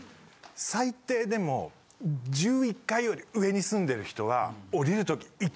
最低でも１１階より上に住んでる人は。